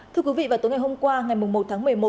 thưa quý vị vào tối ngày hôm qua ngày một tháng một mươi một